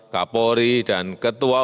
kapolri dan ketua wp